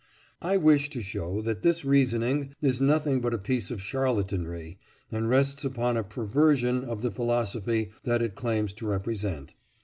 I wish to show that this reasoning is nothing but a piece of charlatanry, and rests upon a perversion of the philosophy that it claims to represent.